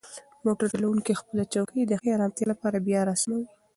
موټر چلونکی خپله چوکۍ د ښې ارامتیا لپاره بیا راسموي.